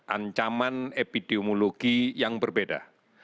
ancaman epidemiologi yang berbeda